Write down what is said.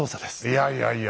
いやいやいや。